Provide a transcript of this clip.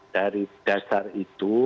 dari dasar itu